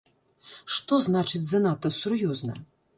Што значыць, занадта сур'ёзна?